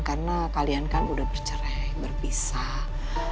karena kalian kan udah bercerai berpisah